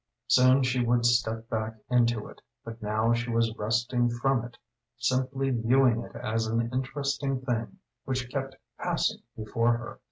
Soon she would step back into it, but now she was resting from it, simply viewing it as an interesting thing which kept passing before her.